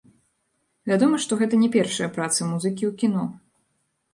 Вядома, што гэта не першая праца музыкі ў кіно.